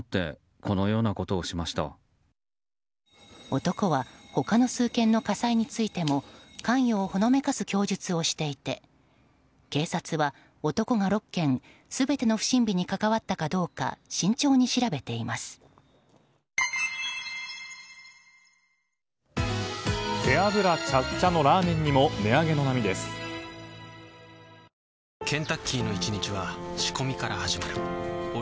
男は他の数件の火災についても関与をほのめかす供述をしていて警察は、男が６件全ての不審火に関わったかどうか今や日本人の国民食、ラーメン。